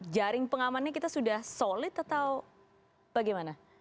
jaring pengamannya kita sudah solid atau bagaimana